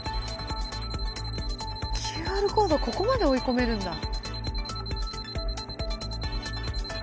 ＱＲコードここまで追い込めるんだ。